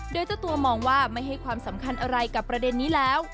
โดยเจ้าตัวมองว่าไม่ให้ความสำคัญอะไรกับประเด็นนี้แล้ว